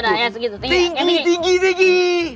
tinggi tinggi tinggi